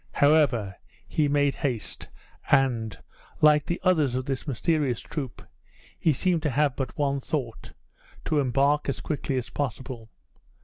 However, he made haste, and, like the others of this mysterious troop, he seemed to have but one thought to embark as quickly as possible.